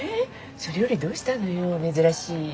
それよりどうしたのよ珍しい。